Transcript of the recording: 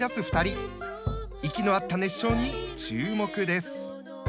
息の合った熱唱に注目です。